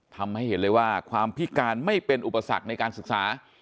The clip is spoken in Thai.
ทำให้เห็นเลยว่าความพิการไม่เป็นอุปสรรคในการศึกษา